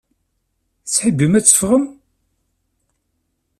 Tettḥibbim ad teffɣem?